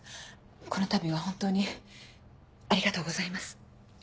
このたびは本当にありがとうございます。